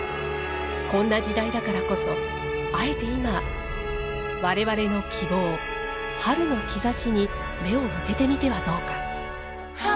こんな時代だからこそあえて今、我々の希望春の兆しに目を向けてみてはどうか。